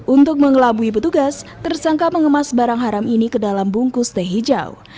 untuk mengelabui petugas tersangka mengemas barang haram ini ke dalam bungkus teh hijau